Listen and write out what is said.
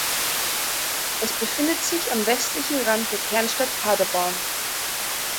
Es befindet sich am westlichen Rand der Kernstadt Paderborn.